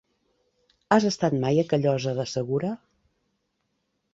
Has estat mai a Callosa de Segura?